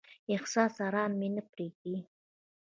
احساس ارام مې نه پریږدي.